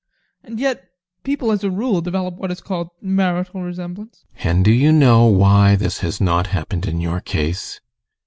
And yet people as a rule develop what is called "marital resemblance." GUSTAV. And do you know why this has not happened in your case?